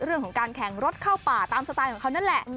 เรื่องของการแข่งรถเข้าป่าตามสไตล์ของเขานั่นแหละ